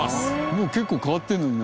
もう結構変わってるのにな。